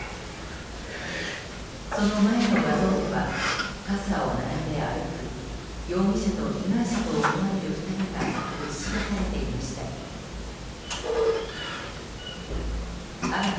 その前の画像では傘を並べ歩く容疑者と被害者と思われる２人が映し出されていました。